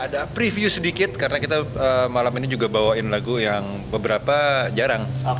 ada preview sedikit karena kita malam ini juga bawain lagu yang beberapa jarang